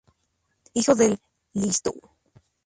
Hijo del Lcdo.